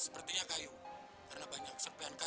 pak udah pak